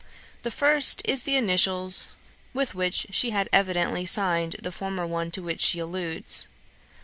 The first is the initials with which she had evidently signed the former one to which she alludes.